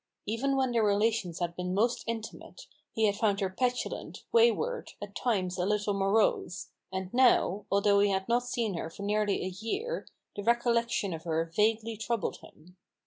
Even when their relations had been most intimate, he had found her petulant, wayward, at times a little morose ; and now, although he had not seen her for nearly a year, the recollection of her vaguely troubled him.